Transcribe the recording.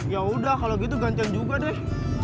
yaudah kalo gitu gantian juga deh